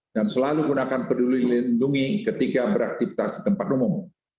dan selalu gunakan peduli lindungi ketika beraktivitas di tempat umum